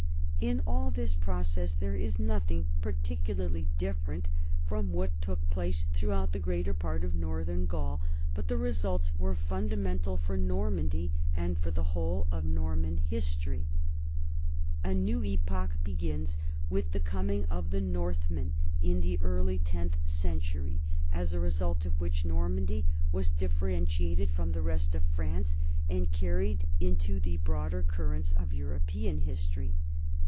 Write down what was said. In all this process there is nothing particu larly different from what took place throughout the greater part of northern Gaul, but the results were fundamental for Normandy and for the whole of Nor ttian history. 22 NORMANS IN EUROPEAN HISTORY A new epoch begins with the coming of the Northmen in the early tenth century, as a result of which Nor mandy was differentiated from the rest of France and carried into the broader currents of European history.